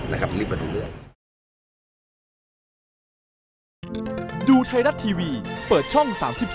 นะครับเริ่มไปถึงเดือน